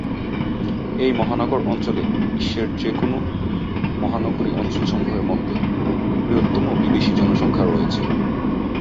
এই মহানগর অঞ্চলে বিশ্বের যে কোনও মহানগরী অঞ্চলসমূহের মধ্যে বৃহত্তম বিদেশী-জনসংখ্যা রয়েছে।